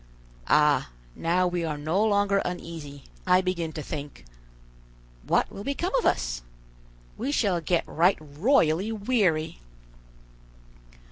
Ah, now we are no longer uneasy, I begin to think, What will become of us? We shall get right royally weary."